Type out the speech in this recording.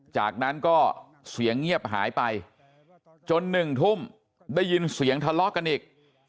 จากนั้นก็เสียงเงียบหายไปจน๑ทุ่มได้ยินเสียงทะเลาะกันอีก